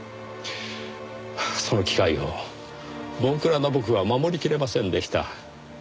その機会を盆暗な僕は守りきれませんでした。